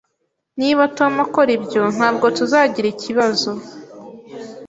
Niba Tom akora ibyo, ntabwo tuzagira ikibazo